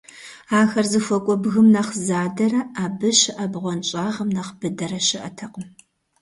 Ахэр зыхуэкӀуэ бгым нэхъ задэрэ абы щыӀэ бгъуэнщӀагъым нэхъ быдэрэ щыӀэтэкъым.